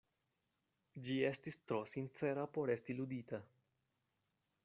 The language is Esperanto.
Ĝi estis tro sincera por esti ludita.